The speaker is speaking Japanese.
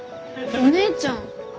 お姉ちゃん。